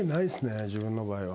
自分の場合は。